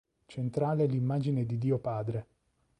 Centrale l'immagine di Dio Padre.